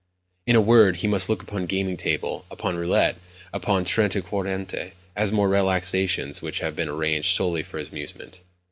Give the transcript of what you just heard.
In a word, he must look upon the gaming table, upon roulette, and upon trente et quarante, as mere relaxations which have been arranged solely for his amusement.